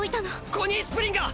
コニー・スプリンガー！